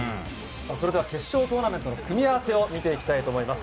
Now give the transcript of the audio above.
決勝トーナメントの組み合わせを見ていきたいと思います。